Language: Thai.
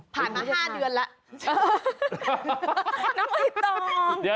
ผ่านมา๕เดือนแล้ว